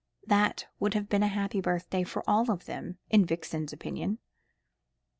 That would have been a happy birthday for all of them, in Violet's opinion.